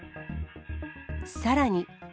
さらに。